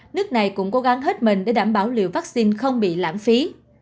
nước này cũng cố gắng hết mình để đảm bảo liều vaccine không bị lãng phí